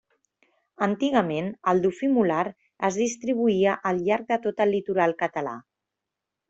Antigament, el dofí mular es distribuïa al llarg de tot el litoral català.